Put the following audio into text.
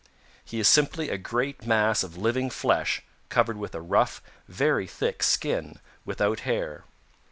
He is simply a great mass of living flesh covered with a rough, very thick skin without hair.